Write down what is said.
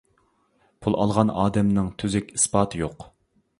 پۇل ئالغان ئادەمنىڭ تۈزۈك ئىسپاتى يوق!